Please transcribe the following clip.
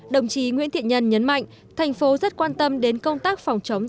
đồng chí nguyễn thiện nhân nhấn mạnh thành phố rất quan tâm đến công tác phòng chống